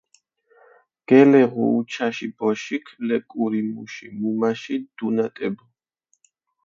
გელეღუ უჩაში ბოშიქ ლეკური მუში მუმაში დუნატებუ.